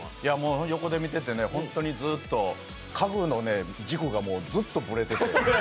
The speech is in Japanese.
横で見ててね、ホントにずっと家具の軸がずっとぶれてて。